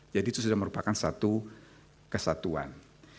jadi itu sudah merupakan satu kesatuan